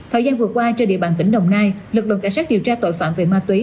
thời gian vừa qua trên địa bàn tỉnh đồng nai lực lượng cảnh sát điều tra tội phạm về ma túy